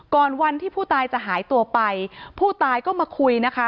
ก่อนวันที่ผู้ตายจะหายตัวไปผู้ตายก็มาคุยนะคะ